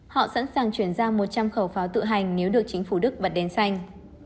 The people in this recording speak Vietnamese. họ sẵn sàng chuyển ra một trăm linh khẩu pháo tự hành nếu được chính phủ đức bật đến xanh